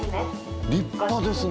立派ですね。